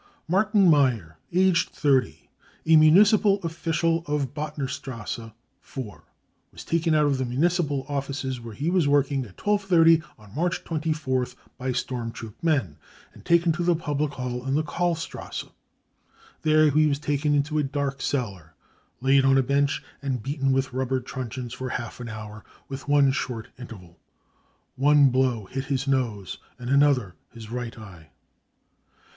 tc Martin Meyer, aged 30, a municipal official, of Bottner strasse 4, was taken out of the Municipal Offices where 1 he was working, at 12.30 on March 24th, by storm troop men, and taken to the public hall in the Karl strasse. There he was taken into a dark cellar, laid on a bench, and beaten with rubber truncheons for half an hour, with one short interval. One blow hit his nose, and another his right eye."